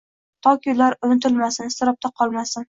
toki ular unutilmasin, iztirobda qolmasin.